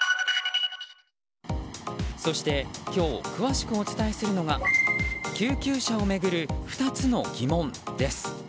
そして今日、詳しくお伝えするのが救急車を巡る２つの疑問です。